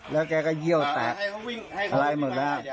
แล้วแกก็เยี่ยวแตกอะไรหมดแล้ว